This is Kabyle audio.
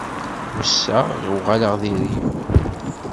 Ḥusseɣ uɣaleɣ di rrif.